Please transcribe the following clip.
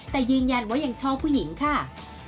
แต่ยืนยันว่ายังชอบผู้หญิงค่ะ